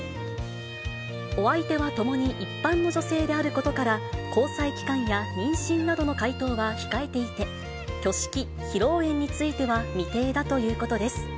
お相手は共に一般の女性であることから、交際期間や妊娠などの回答は控えていて、挙式・披露宴については未定だということです。